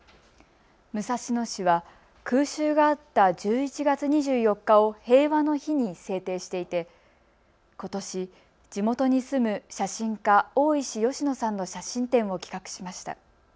武蔵野市は空襲があった１１月２４日を平和の日に制定していてことし地元に住む写真家、大石芳野さんの写真展を企画しました。